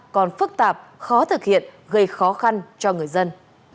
còn phức tạp khó thực hiện gây khó khăn cho người dân